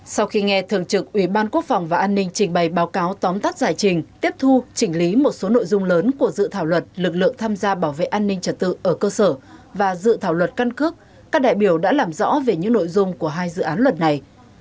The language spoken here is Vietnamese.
sau khi nghe thường trực ủy ban quốc phòng và an ninh trình bày báo cáo tóm tắt giải trình tiếp thu chỉnh lý một số nội dung lớn của dự thảo luật lực lượng tham gia bảo vệ an ninh trật tự ở cơ sở và dự thảo luật căn cước các đại biểu đã làm rõ về những nội dung của hai dự án luật này